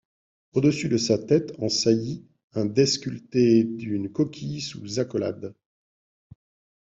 Au dessus de sa tête, en saillie, un dais sculpté d'une coquille sous accolade.